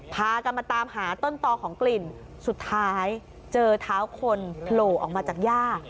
พากันมาตามหาต้นต่อของกลิ่นสุดท้ายเจอเท้าคนโผล่ออกมาจากย่า